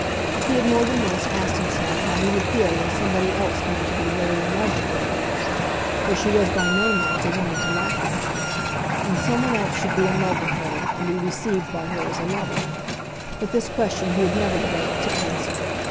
He had more than once asked himself how he would feel when somebody else came to be really in love with Lady Laura, for she was by no means a woman to lack lovers, when some one else should be in love with her, and be received by her as a lover; but this question he had never been able to answer.